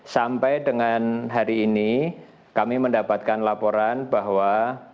sampai dengan hari ini kami mendapatkan laporan bahwa